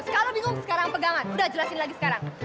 kalau bingung sekarang pegangan udah jelasin lagi sekarang